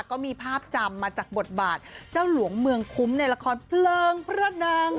ก็มีภาพจำมาจากบทบาทเจ้าหลวงเมืองคุ้มในละครเพลิงพระนาง